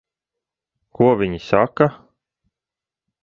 Ko viņi saka?